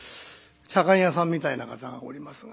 左官屋さんみたいな方がおりますが。